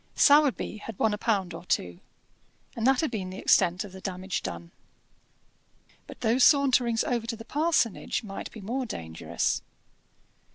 Sowerby had won a pound or two, and that had been the extent of the damage done. But those saunterings over to the parsonage might be more dangerous.